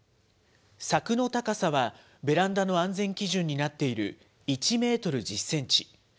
柵の高さはベランダの安全基準になっている１メートル１０センチ。